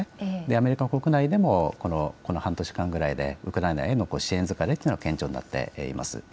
アメリカの国内でもこの半年間ぐらいでウクライナへの支援疲れというのが顕著になっています。